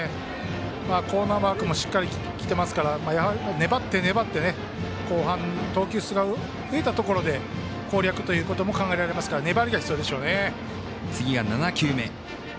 コーナーワークもしっかりしてますから粘って粘って後半、投球数が増えたところで攻略ということも考えられますから三振。